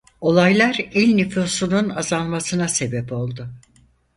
Olaylar il nüfusunun azalmasına sebep oldu.